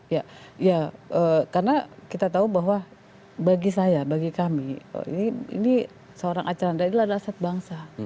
ya karena kita tahu bahwa bagi saya bagi kami ini seorang archandra ini adalah aset bangsa